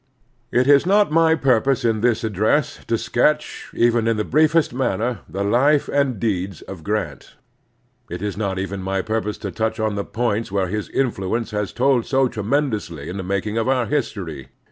It is not my ptupose in this address to sketch, in even the briefest manner, the life and deeds of 204 The Strenuous Life Grant. It is not even my purpose to touch on the points where his influence has told so tre mendously in the making of our history.